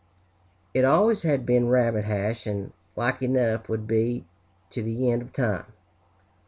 It always had been Rabbit Hash, and like enough would be to the end of time.